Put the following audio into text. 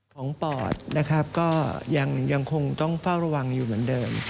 ปอดนะครับก็ยังคงต้องเฝ้าระวังอยู่เหมือนเดิม